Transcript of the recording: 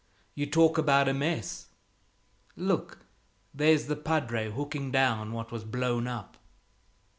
"You talk about a mess! Look, there's the padre hooking down what was blown up."